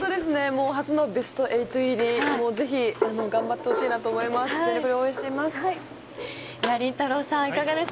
初のベスト８入りぜひ頑張ってほしいと思います。